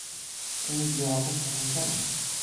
Ad iyi-d-iɣer taṣebḥit-a?